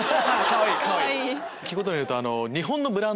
聞くところによると。